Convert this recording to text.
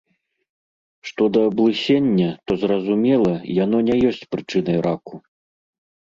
Што да аблысення, то, зразумела, яно не ёсць прычынай раку.